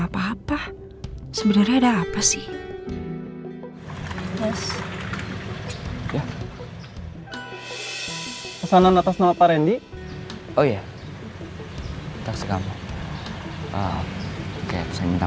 apa apa sebenarnya ada apa sih hai mas ya pesanan atas nama pak rendy oh ya tak kamu kayak saya minta